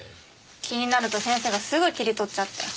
気になると先生がすぐ切り取っちゃって。